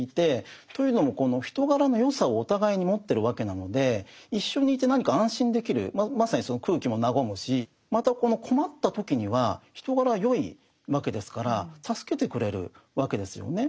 というのもこの人柄の善さをお互いに持ってるわけなので一緒にいて何か安心できるまさにその空気も和むしまたこの困った時には人柄は善いわけですから助けてくれるわけですよね。